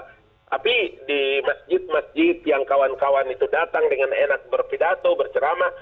tapi di masjid masjid yang kawan kawan itu datang dengan enak berpidato berceramah